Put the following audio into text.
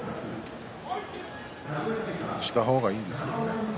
した方がいいんですけれどもね。